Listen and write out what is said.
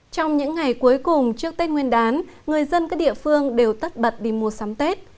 trong những ngày cuối cùng trước tết nguyên đán người dân các địa phương đều tất bật đi mua sắm tết